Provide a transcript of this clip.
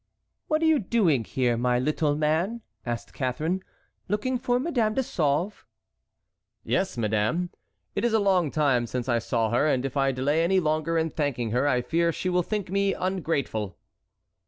"What are you doing here, my little man?" asked Catharine; "looking for Madame de Sauve?" "Yes, madame; it is a long time since I saw her, and if I delay any longer in thanking her I fear she will think me ungrateful."